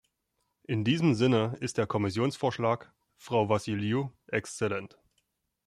In diesem Sinne ist der Kommissionsvorschlag, Frau Vassiliou exzellent.